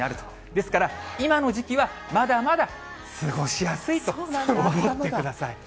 ですから、今の時期は、まだまだ過ごしやすいと思ってください。